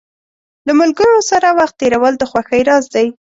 له ملګرو سره وخت تېرول د خوښۍ راز دی.